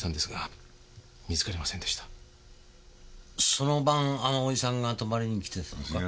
その晩あの叔父さんが泊まりにきてたんですか？